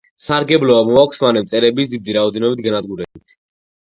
სარგებლობა მოაქვს მავნე მწერების დიდი რაოდენობით განადგურებით.